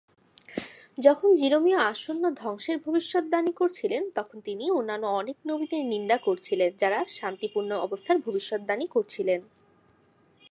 যখন যিরমিয় আসন্ন ধ্বংসের ভবিষ্যদ্বাণী করছিলেন, তখন তিনি অন্যান্য অনেক নবীদের নিন্দা করেছিলেন যারা শান্তিপূর্ণ অবস্থার ভবিষ্যদ্বাণী করছিলেন।